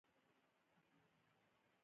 د مناظرې پر ځای باید علمي کتابونه چاپ شي.